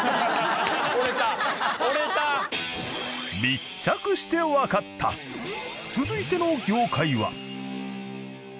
密着してわかった続いての業界は。